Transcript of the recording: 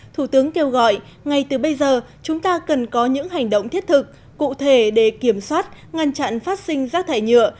thủ tướng kêu gọi ngay từ bây giờ chúng ta cần có những hành động thiết thực cụ thể để kiểm soát ngăn chặn phát sinh rác thải nhựa